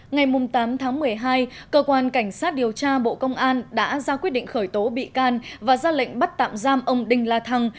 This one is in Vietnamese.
ngày tám tháng một mươi hai cơ quan cảnh sát điều tra bộ công an đã ra quyết định khởi tố bị can và ra lệnh bắt tạm giam ông đinh la thăng